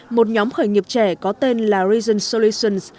một nhóm khởi nghiệp trẻ có tên là reason solutions